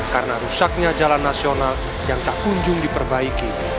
karena rusaknya jalan nasional yang tak kunjung diperbaiki